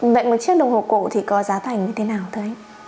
vậy một chiếc đồng hồ cổ thì có giá thành như thế nào thế